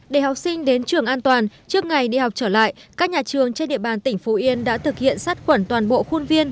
để học sinh đến trường an toàn trước ngày đi học trở lại các nhà trường trên địa bàn tỉnh phú yên đã thực hiện sát khuẩn toàn bộ khuôn viên